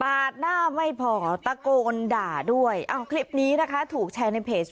หน้าไม่พอตะโกนด่าด้วยเอาคลิปนี้นะคะถูกแชร์ในเพจ